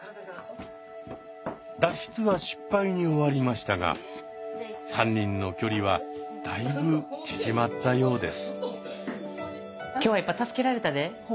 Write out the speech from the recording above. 脱出は失敗に終わりましたが３人の距離はだいぶ縮まったようです。